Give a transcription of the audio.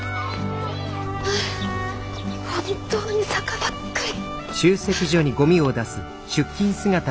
はあ本当に坂ばっかり！